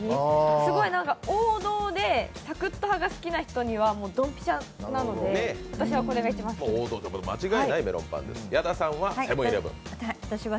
すごい王道でサクッと派が好きな人にはドンピシャなので、私は、これが一番好きです。